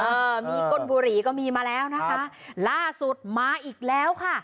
เออมีก้นบุหรี่ก็มีมาแล้วนะคะล่าสุดมาอีกแล้วค่ะ